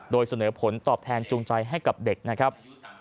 โดยเสนอผลตอบแทนจูงใจให้กับเด็กนะครับ